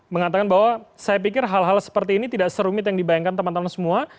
mengatakan bahwa saya pikir hal hal seperti ini tidak serumit yang dibayangkan teman teman semua